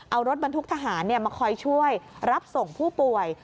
เอารถบรรทุกทหารมาคอยช่วยรับส่งผู้ป่วย